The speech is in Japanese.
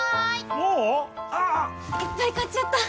もう⁉ああ・・・いっぱい買っちゃった！